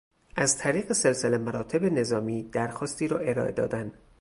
از طریق سلسله مراتب نظامی درخواستی را ارائه دادن